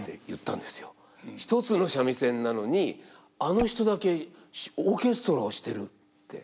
「１つの三味線なのにあの人だけオーケストラをしてる」って。